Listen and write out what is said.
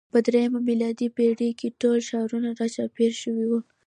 په درېیمه میلادي پېړۍ کې ټول ښارونه راچاپېر شوي وو.